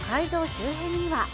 周辺には。